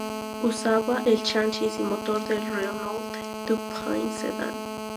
Usaba el chasis y motor del Renault Dauphine sedán.